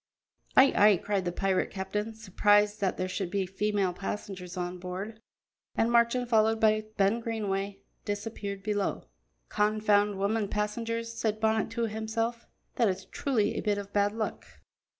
"Ay, ay!" cried the pirate captain, surprised that there should be female passengers on board, and Marchand, followed by Ben Greenway, disappeared below. "Confound women passengers," said Bonnet to himself; "that is truly a bit of bad luck."